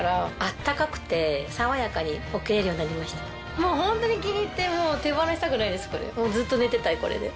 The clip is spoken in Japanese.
もうホントに気に入って手放したくないですずっと寝てたいこれで。